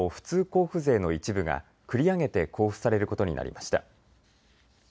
交付税の一部が繰り上げて交付されることになりました。